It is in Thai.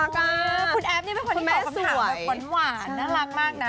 คุณแมพนี่เป็นคนที่ขอคำถามแบบฝนหวานน่ารักมากนะ